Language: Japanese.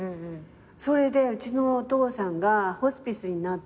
それでうちのお父さんがホスピスになってね。